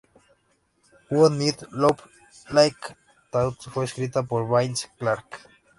Who Needs Love Like That fue escrita por Vince Clarke.